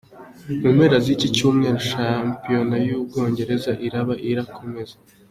Mu mpera z’iki cy’umweru shampiyona y’Ubwongereza iraba irakomeza.